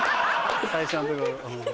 最初のところうん。